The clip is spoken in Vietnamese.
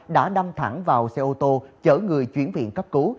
đã đâm thẳng vào xe ô tô chở người chuyển viện cấp cứu